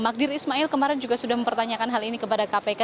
magdir ismail kemarin juga sudah mempertanyakan hal ini kepada kpk